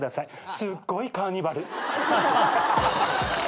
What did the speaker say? すっごいカーニバル。